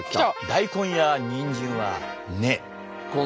大根やにんじんは根。